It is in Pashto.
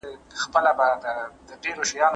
که لارښود وي نو هدف نه ورکیږي.